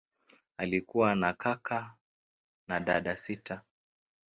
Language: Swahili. Alikuwa na kaka na dada sita.